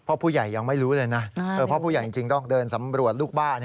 เพราะผู้ใหญ่ยังไม่รู้เลยนะเพราะผู้ใหญ่จริงต้องเดินสำรวจลูกบ้าน